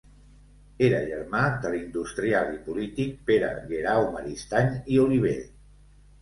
Era germà de l'industrial i polític Pere Guerau Maristany i Oliver.